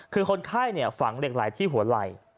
คือคนไข้ฝังเหล็กไหลที่หัวไหล่